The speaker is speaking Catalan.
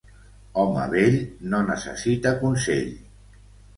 Home vell, no necessita consell.